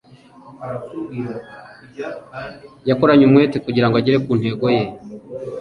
Yakoranye umwete kugirango agere ku ntego ye